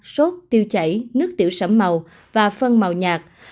sốt tiêu chảy nước tiểu sẩm màu và phân màu nhạt